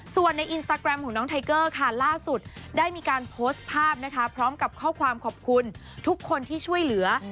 ส่วนในอินสตาแกรมของน้องไทเกอร์ค่ะล่าสุดได้มีการโพสต์ภาพนะคะพร้อมกับข้อความขอบคุณทุกคนที่ช่วยเหลือ